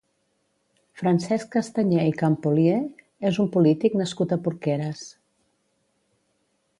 Francesc Castañer i Campolier és un polític nascut a Porqueres.